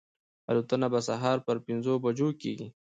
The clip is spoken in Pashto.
الوتنه به سهار پر پنځو بجو کېږي.